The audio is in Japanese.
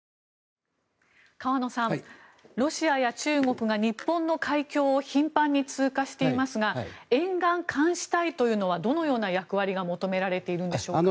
河野さん、ロシアや中国が日本の海峡を頻繁に通過していますが沿岸監視隊というのはどのような役割が求められているんでしょうか。